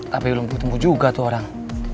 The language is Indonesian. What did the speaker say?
tapi belum ketemu juga tuh orang